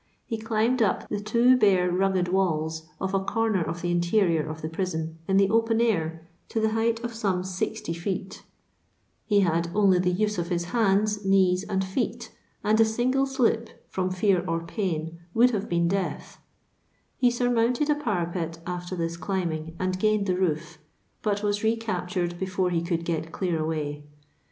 lie climbed up the two bare rugged walls of a comer of the interior of the prison, in the open air, to the height of some 60 feet Ue had only the use of his hands, knees^ and feet, and a single slip, from fear or pain, would have been death ; he surmounted a parapet after this climbing, and gained the roof, but was recaptured before he could get clear away.